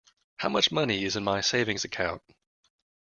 How much money is in my savings account?